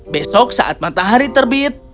besok saat matahari terbit